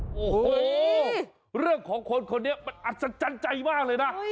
โอ้โหเรื่องของคนคนนี้มันอัศจรรย์ใจมากเลยนะ